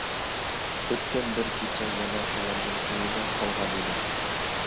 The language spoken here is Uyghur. ئۆتكەن بىر كېچە يەنە ئۇلارنىڭ ئۆيىدە قالغانىدۇق.